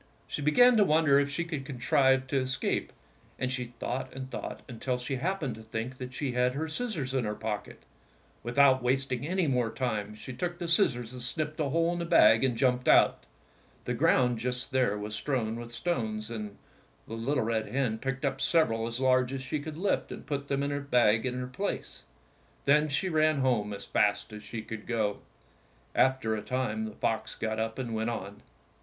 She began to wonder if she could contrive to escape, and she thought and thought until she happened to think that she had her scis sors in her pocket. Without wasting any more time she took the scissors and snipped a hole in the bag and jumped out. The ground just there was strewn with stones, and the little red hen picked up sev eral as large as she could lift and put them in the bag in her place. Then she ran home as fast as she could go. After a time the fox got up and went on.